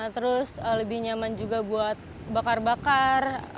terus lebih nyaman juga buat bakar bakar